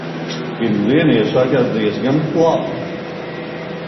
Pirmdiena iesākās diezgan labi.